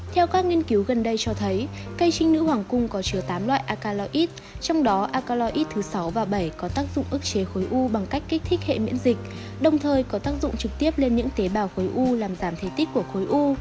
theo các nghiên cứu gần đây cho thấy cây trinh nữ hoàng cung có chứa tám loại aklaid trong đó acalloid thứ sáu và bảy có tác dụng ước chế khối u bằng cách kích thích hệ miễn dịch đồng thời có tác dụng trực tiếp lên những tế bào khối u làm giảm thể tích của khối u